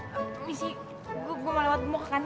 permisi gue mau lewat ke kantin